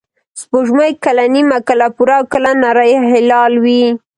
سپوږمۍ کله نیمه، کله پوره، او کله نری هلال وي